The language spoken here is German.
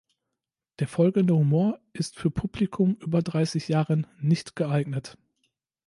Der folgende Humor ist für Publikum über dreißig Jahren nicht geeignet.